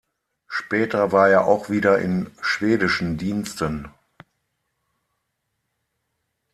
Später war er auch wieder in schwedischen Diensten.